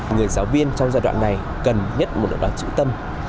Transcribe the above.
người giáo viên trong giai đoạn này cần nhất một đội đoàn chữ tâm